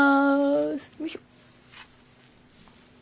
よいしょ。